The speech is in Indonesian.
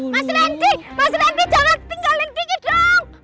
mas rendy mas rendy jangan tinggalin kiki dong